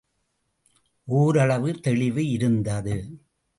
ஓரளவு தெளிவு இருந்தது.